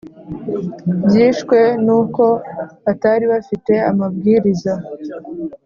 Byishwe n’uko batari bafite amabwiriza